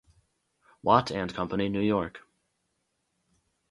Watt and Company, New York.